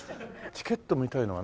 チケットみたいなのは？